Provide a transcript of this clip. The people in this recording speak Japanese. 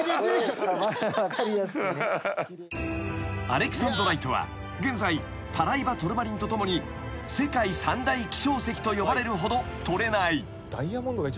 ［アレキサンドライトは現在パライバトルマリンと共に世界３大希少石と呼ばれるほど取れない］